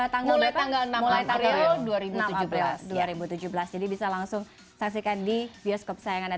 tanggal mulai tanggal dua puluh enam april dua ribu tujuh belas jadi bisa langsung saksikan di bioskop saya